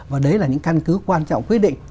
và đấy là những căn cứ quan trọng quyết định